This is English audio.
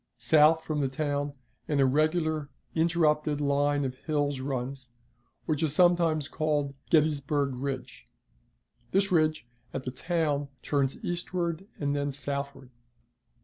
South from the town an irregular, interrupted line of hills runs, which is sometimes called the "Gettysburg Ridge." This ridge, at the town, turns eastward and then southward.